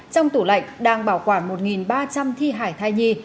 trong tủ lạnh đang bảo quản một ba trăm linh thi hải thai nhi